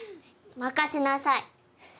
任せなさい。